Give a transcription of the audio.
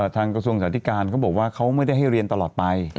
กระทรวงสาธิการเขาบอกว่าเขาไม่ได้ให้เรียนตลอดไป